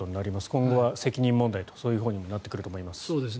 今後は責任問題とかそういうほうにもなっていくと思います。